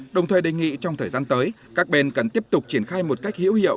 đồng thời đề nghị trong thời gian tới các bên cần tiếp tục triển khai một cách hiểu hiệu